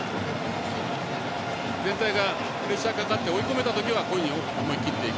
全体がプレッシャーかかって追い込めた時はこういうふうに思い切っていく。